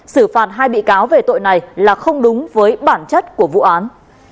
xử phạt hai bị cáo về tội này là không đúng với bản chất của vụ án